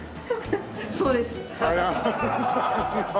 そうです。